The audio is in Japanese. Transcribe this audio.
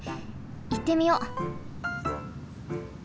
いってみよう！